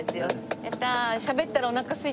やったー！